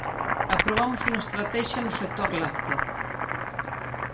Aprobamos unha estratexia no sector lácteo.